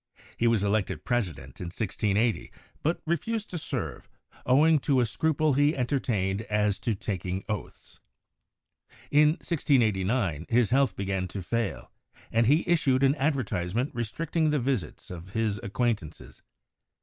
He was elected president in 1680, but refused to serve, ow ing to a scruple he entertained as to taking oaths. In 1689 his health began to fail and he issued an advertisement re stricting the visits of his acquaintances.